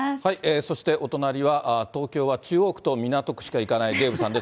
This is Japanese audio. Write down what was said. そしてお隣は東京は中央区と港区しか行かないデーブさんです。